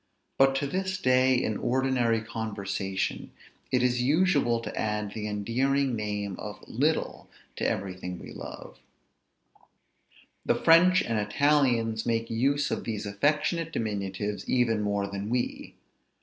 But to this day, in ordinary conversation, it is usual to add the endearing name of little to everything we love; the French and Italians make use of these affectionate diminutives even more than we.